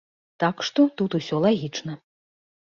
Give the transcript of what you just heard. Так што тут усё лагічна.